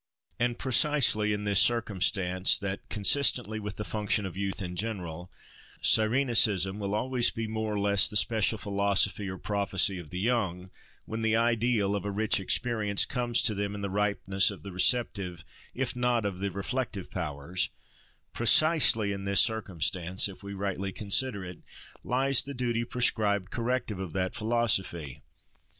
And precisely in this circumstance, that, consistently with the function of youth in general, Cyrenaicism will always be more or less the special philosophy, or "prophecy," of the young, when the ideal of a rich experience comes to them in the ripeness of the receptive, if not of the reflective, powers—precisely in this circumstance, if we rightly consider it, lies the duly prescribed corrective of that philosophy.